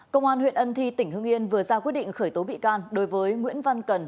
công an huyện ân thi tỉnh hương yên vừa ra quyết định khởi tố bị can đối với nguyễn văn cần